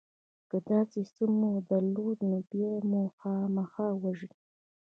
که داسې څه مو درلودل نو بیا به مو خامخا وژني